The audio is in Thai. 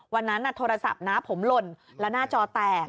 วันนั้นโทรศัพท์นะผมหล่นแล้วหน้าจอแตก